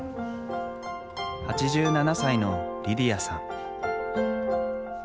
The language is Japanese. ８７歳のリディヤさん。